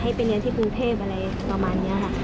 ให้เป็นอย่างที่ภูเภพอะไรประมาณนี้ค่ะ